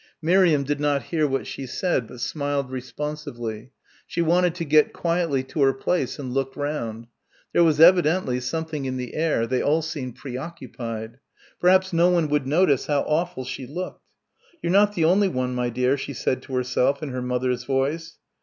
Miriam did not hear what she said, but smiled responsively. She wanted to get quietly to her place and look round. There was evidently something in the air. They all seemed preoccupied. Perhaps no one would notice how awful she looked. "You're not the only one, my dear," she said to herself in her mother's voice.